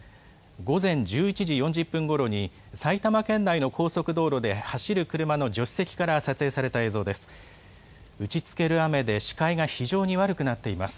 午前１１時４０分ごろに、埼玉県内の高速道路で、走る車の助手席から撮影された映像です。